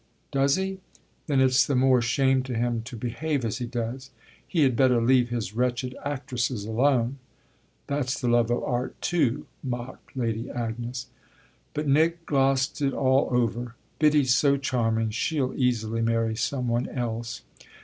"Does he? Then it's the more shame to him to behave as he does. He had better leave his wretched actresses alone. That's the love of art too!" mocked Lady Agnes. But Nick glossed it all over. "Biddy's so charming she'll easily marry some one else."